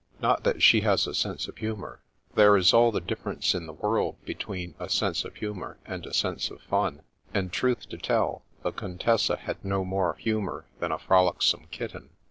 Not that she has a sense of humour. There is all the difference in the world between a sense of humour and a sense of fun, and truth to tell, the Cont^sa had no more humour than a frolicsome kitten.